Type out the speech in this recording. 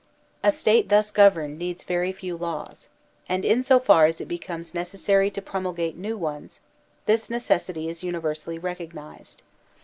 A State thus governed needs very few laws; and in so far as it becomes necessary to promulgate new ones, this necessity is universally recognized.